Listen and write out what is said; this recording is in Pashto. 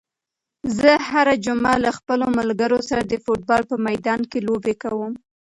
زه هره جمعه له خپلو ملګرو سره د فوټبال په میدان کې لوبې کوم.